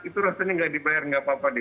itu rasanya nggak dibayar nggak apa apa deh